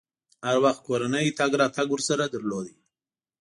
هر وخت کورنۍ تګ راتګ ورسره درلود.